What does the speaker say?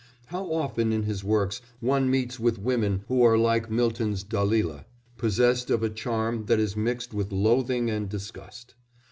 How often in his works one meets with women who are like Milton's Dalila, possessed of a charm that is mixed with loathing and disgust.